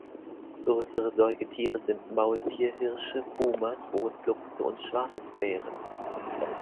Größere Säugetiere sind Maultierhirsche, Pumas, Rotluchse und Schwarzbären.